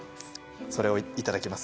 それをいただきます